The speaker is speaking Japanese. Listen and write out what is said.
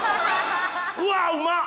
うわうまっ！